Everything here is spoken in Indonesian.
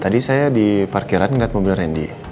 tadi saya di parkiran ngeliat mobil rendy